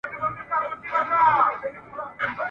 وطن ډک دئ له جاهلو ساده گانو !.